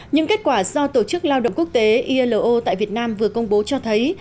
những kết quả do tổ chức lao động quốc tế ilo tại việt nam vừa công bố cho thấy